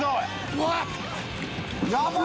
うわっ